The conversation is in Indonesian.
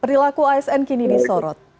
perilaku asn kini disorot